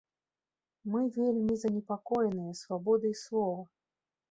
Мы вельмі занепакоеныя свабодай слова.